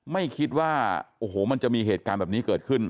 ไม่คิดว่าโอ้โหมันจะมีเหตุการณ์แบบนี้เกิดขึ้น